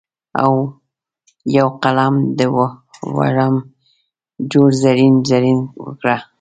او یو قلم د وږم جوړ زرین، زرین ورکړه